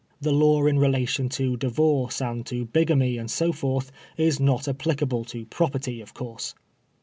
The law in relation to divorce, or to bigamy, and so forth, is not applicable to property, of course.